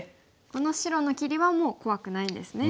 この白の切りはもう怖くないですね。